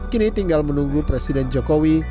kini tinggal menunggu presiden jokowi